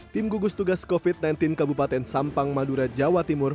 tim gugus tugas covid sembilan belas kabupaten sampang madura jawa timur